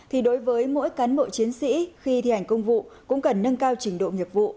thì đối với mỗi cán bộ chiến sĩ khi thi hành công vụ cũng cần nâng cao trình độ nghiệp vụ